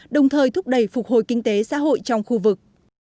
đồng thời thúc đẩy phục hồi kinh tế xã hội trong khu vực